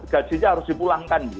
gajinya harus punya pulangkan